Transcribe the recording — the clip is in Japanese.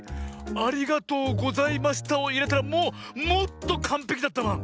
「ありがとうございました」をいえたらもうもっとかんぺきだったバン。